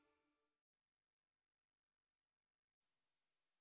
あ！